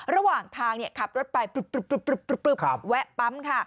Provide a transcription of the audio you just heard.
ระหว่างทางขับรถไปแวะปั๊มค่ะ